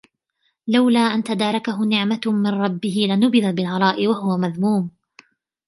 لَوْلَا أَنْ تَدَارَكَهُ نِعْمَةٌ مِنْ رَبِّهِ لَنُبِذَ بِالْعَرَاءِ وَهُوَ مَذْمُومٌ